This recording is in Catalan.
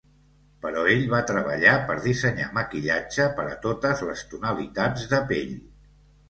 Però ell va treballar per dissenyar maquillatge per a totes les tonalitats de pell.